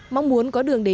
mong muốn có đường đi